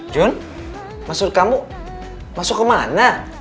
jun maksud kamu masuk ke mana